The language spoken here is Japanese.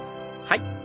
はい。